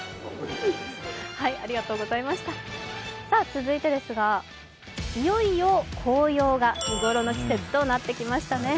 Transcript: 続いてですがいよいよ紅葉が見頃の季節となってきましたね。